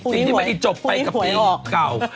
จริงไม่ได้จบไปกับปีเก่า